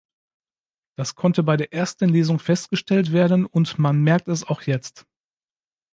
Das konnte bei der ersten Lesung festgestellt werden, und man merkt es auch jetzt.